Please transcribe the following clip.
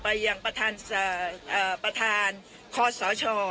ไปยังประธานคอสช